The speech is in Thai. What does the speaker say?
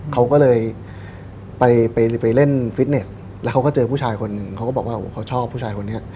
เขาก็เลยไปไปเล่นฟิตเนสแล้วเขาก็เจอผู้ชายคนหนึ่งเขาก็บอกว่าเขาชอบผู้ชายคนนี้